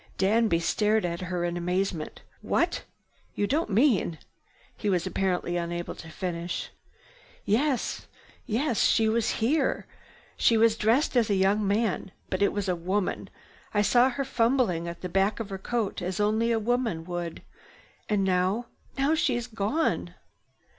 Danby stared at her in amazement. "What? You don't mean—" He was apparently unable to finish. "Yes, yes! She was here. She was dressed as a young man. But it was a woman. I saw her fumbling at the back of her coat, as only a woman would. And now—now she's gone!"